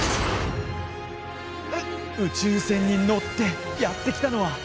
宇宙船に乗ってやって来たのは？